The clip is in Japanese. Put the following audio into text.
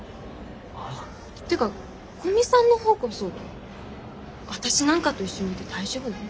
ていうか古見さんの方こそ私なんかと一緒にいて大丈夫なの？